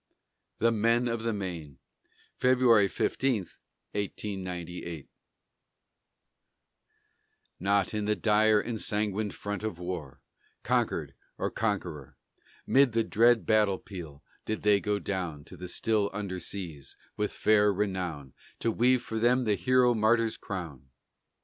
THE MEN OF THE MAINE [February 15, 1898] Not in the dire, ensanguined front of war, Conquered or conqueror, 'Mid the dread battle peal, did they go down To the still under seas, with fair Renown To weave for them the hero martyr's crown.